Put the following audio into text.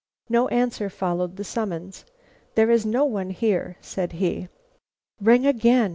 No answer followed the summons. "There is no one here," said he. "Ring again!"